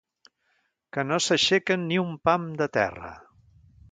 Que no s'aixequen ni un pam de terra.